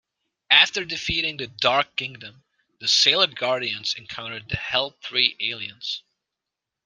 After defeating the Dark Kingdom, the Sailor Guardians encounter the Hell Tree aliens.